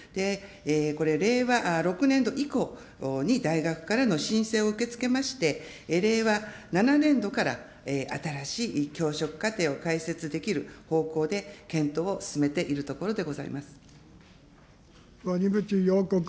これ、令和６年度以降に大学からの申請を受け付けまして、令和７年度から新しい教職課程を開設できる方向で検討を進めてい鰐淵洋子君。